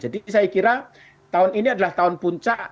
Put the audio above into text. jadi saya kira tahun ini adalah tahun puncak